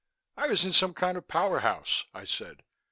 "I was in some kind of powerhouse," I said.